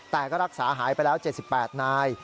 แต่ก็รักษาหายไปแล้ว๗๘นาย